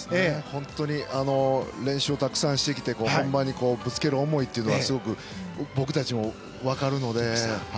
本当に練習をたくさんしてきて本番にぶつける思いというのはすごく僕たちも分かるので。